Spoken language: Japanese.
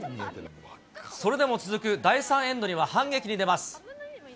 それでも続く第３エンドには、反撃に出ます。